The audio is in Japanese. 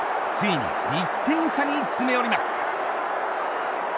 ついに１点差に詰め寄ります。